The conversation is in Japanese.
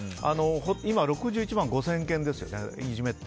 今、６１万５０００件ですよねいじめって。